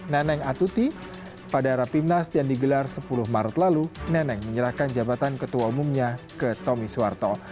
neneng atuti pada rapimnas yang digelar sepuluh maret lalu neneng menyerahkan jabatan ketua umumnya ke tommy suwarto